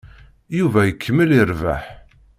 Yuba ikemmel irebbeḥ.